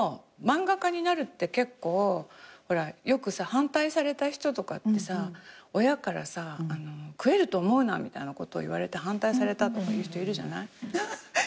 漫画家になるって結構ほらよくさ反対された人とかってさ親からさ「食えると思うな」みたいなこと言われて反対されたとかいう人いるじゃない？